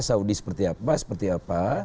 saudi seperti apa seperti apa